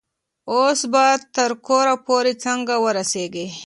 اوس به تر کوره پورې څنګه ورسیږي؟